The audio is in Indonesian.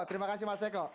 terima kasih mas eko